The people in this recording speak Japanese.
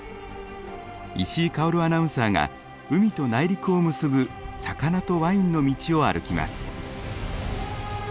石井かおるアナウンサーが海と内陸を結ぶ魚とワインの道を歩きます。